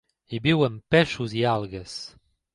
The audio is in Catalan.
Hi viuen peixos i algues.